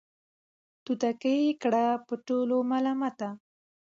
توتکۍ یې کړه په ټولو ملامته